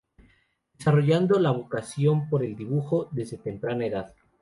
Desarrollando la vocación por el dibujo desde temprana edad.